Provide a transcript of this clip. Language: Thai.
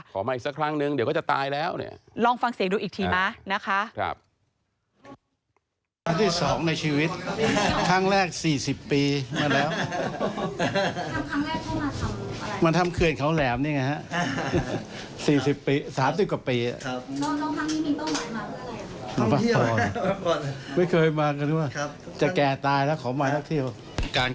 ขอมาอีกสักครั้งหนึ่งเดี๋ยวก็จะตายลองฟังเสียงดูอีกทีนะคะ